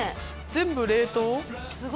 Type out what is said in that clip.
全部冷凍？